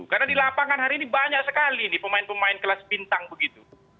karena di lapangan hari ini banyak sekali pemain pemain kelas bintang begitu